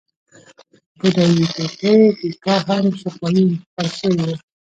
بودایي تیپي تیکا هم شفاهي انتقال شوې وه.